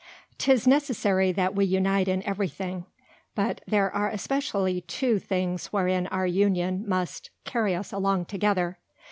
'Tis necessary that we unite in every thing: but there are especially two Things wherein our Union must carry us along together.